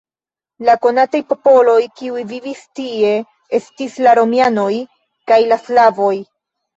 La konataj popoloj, kiuj vivis tie, estis la romianoj kaj la slavoj.